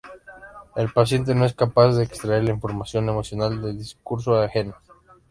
El paciente no es capaz de extraer la información emocional del discurso ajeno.